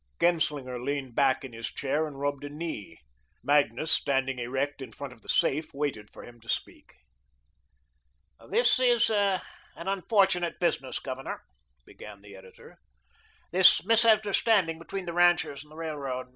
Genslinger leaned back in his chair and rubbed a knee. Magnus, standing erect in front of the safe, waited for him to speak. "This is an unfortunate business, Governor," began the editor, "this misunderstanding between the ranchers and the Railroad.